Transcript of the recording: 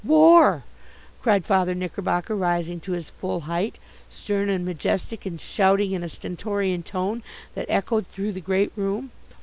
"War!" cried Father Knickerbocker, rising to his full height, stern and majestic and shouting in a stentorian tone that echoed through the great room.